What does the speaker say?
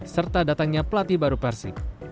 serta datangnya pelatih baru persib